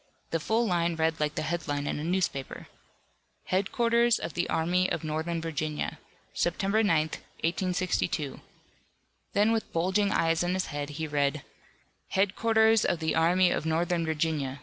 The full line read like the headline in a newspaper: HEADQUARTERS OF THE ARMY OF NORTHERN VIRGINIA. September 9, 1862. Then with eyes bulging in his head he read: HEADQUARTERS OF THE ARMY OF NORTHERN VIRGINIA.